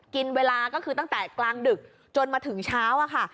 กินเวลาก็คือตั้งแต่กลางดึกจนมาถึงเช้าอะค่ะ